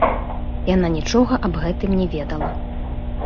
Яна нічога аб гэтым не ведала.